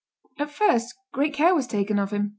At first great care was taken of him.